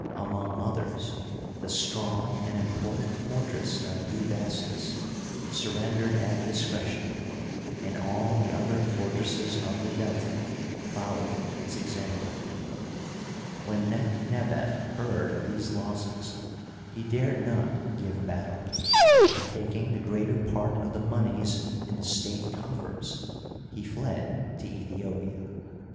Among others, the strong and im portant fortress of Bubastis surrendered at discretion, and all the other fortresses of the Delta followed its example. When Necht nebef heard of these losses, he dared not give battle, but, taking the greater part of the moneys in he state coffers, he fled to Aethiopia.